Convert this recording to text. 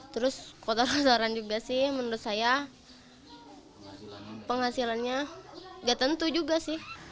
terus kotor kosoran juga sih menurut saya penghasilannya gak tentu juga sih